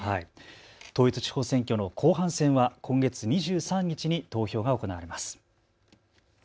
統一地方選挙の後半戦は今月２３日に投票が行われます。